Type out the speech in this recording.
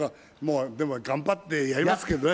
でも頑張ってやりますけどね。